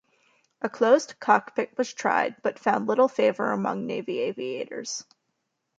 A closed cockpit was tried but found little favor among Navy aviators.